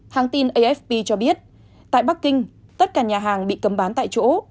hàng tin afp cho biết tại bắc kinh tất cả nhà hàng bị cấm bán tại chỗ